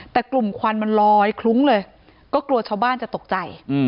แต่กลุ่มควันมันลอยคลุ้งเลยก็กลัวชาวบ้านจะตกใจ